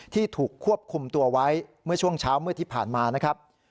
ที่ถูกควบคุมตัวไว้เมื่อช่วงเช้ามืดที่ผ่านมานะครับ